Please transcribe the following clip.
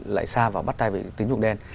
lại xa vào bắt tay về tín dụng đen